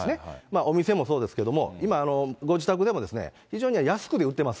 お店もそうですけれども、今、ご自宅でも非常に安く売ってます。